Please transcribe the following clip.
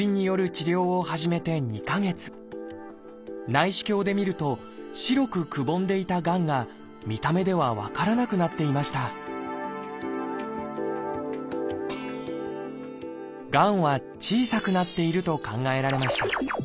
内視鏡で見ると白くくぼんでいたがんが見た目では分からなくなっていましたがんは小さくなっていると考えられました。